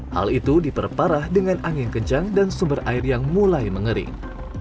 hal itu diperparah dengan angin kencang dan sumber air yang mulai mengering